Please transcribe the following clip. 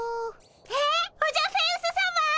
えっオジャフェウスさま！